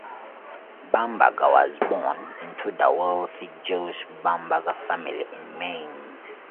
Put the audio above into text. Bamberger was born into the wealthy Jewish Bamberger family in Mainz.